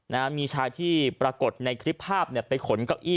นะฮะมีชายที่ปรากฏในคลิปภาพเนี่ยไปขนเก้าอี้